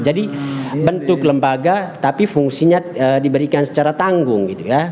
jadi bentuk lembaga tapi fungsinya diberikan secara tanggung gitu ya